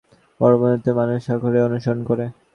বড় বড় নেতৃস্থানীয় মানুষ সাখরের অনুসরণ করে থাকে।